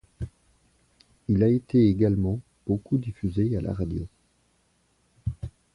Il a été également beaucoup diffusé à la radio.